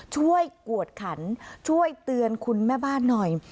กวดขันช่วยเตือนคุณแม่บ้านหน่อย